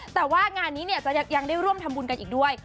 แต่ว่างานนี้เนี่ยจะยังได้ร่วมทำบุญกันอีกด้วย